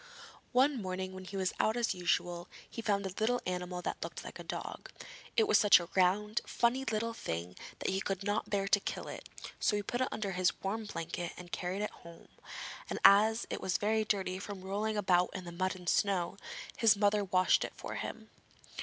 One morning when he was out as usual, he found a little animal that looked like a dog. It was such a round, funny little thing that he could not bear to kill it, so he put it under his warm blanket, and carried it home, and as it was very dirty from rolling about in the mud and snow, his mother washed it for him.